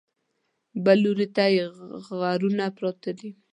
بل لوري ته یې غرونه پراته دي.